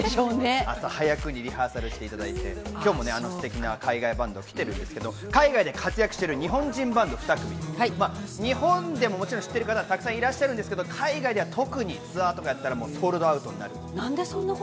朝早くにリハーサルしていただいて、今日もステキな海外バンドが来てるんですけど、海外で活躍している日本人バンド２組、日本でももちろん知ってる方いらっしゃるんですけれど、海外では特にツアーとかやったらソールドアウトになります。